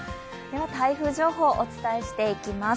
台風情報お伝えしていきます。